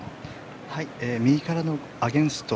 右からのアゲンスト。